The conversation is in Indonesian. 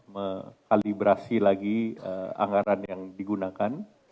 mekalibrasi lagi anggaran yang digunakan